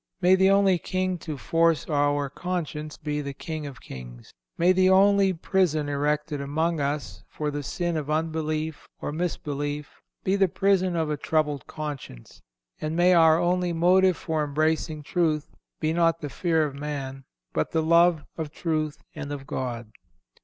May the only king to force our conscience be the King of kings; may the only prison erected among us for the sin of unbelief or misbelief be the prison of a troubled conscience; and may our only motive for embracing truth be not the fear of man, but the love of truth and of God.